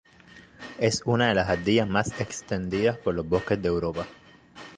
Es una de las ardillas más extendidas por los bosques de Europa.